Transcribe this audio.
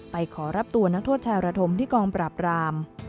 ขอรับตัวนักโทษชายระธมที่กองปราบราม